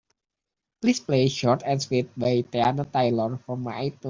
Please play Short And Sweet by Teyana Taylor from my itunes.